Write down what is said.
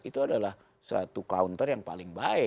itu adalah satu counter yang paling baik